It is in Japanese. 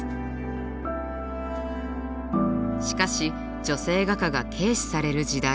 しかし女性画家が軽視される時代。